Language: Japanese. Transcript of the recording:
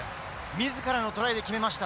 自らのトライで決めました。